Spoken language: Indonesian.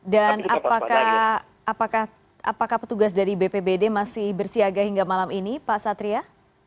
dan apakah petugas dari bpbd masih bersiaga hingga malam ini pak satria